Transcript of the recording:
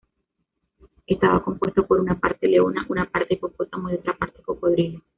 Estaba compuesto por una parte leona, una parte hipopótamo y otra parte cocodrilo.